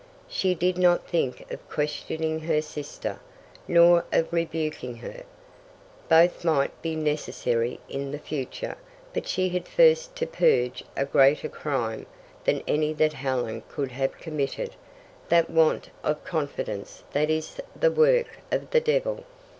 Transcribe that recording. She did not think of questioning her sister, nor of rebuking her. Both might be necessary in the future, but she had first to purge a greater crime than any that Helen could have committed that want of confidence that is the work of the devil.